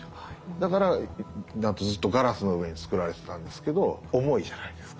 だからずっとガラスの上に作られてたんですけど重いじゃないですか。